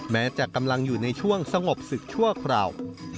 แม้จะกำลังอยู่ในช่วงสงบศึกชั่วคราว